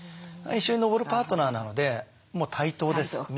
一緒に登るパートナーなのでもう対等ですみんな。